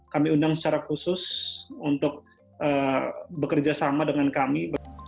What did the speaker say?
kami undang secara khusus untuk bekerja sama dengan kami